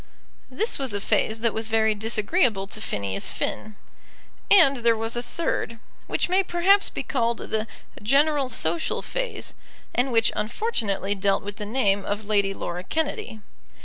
This was a phase that was very disagreeable to Phineas Finn. And there was a third, which may perhaps be called the general social phase, and which unfortunately dealt with the name of Lady Laura Kennedy.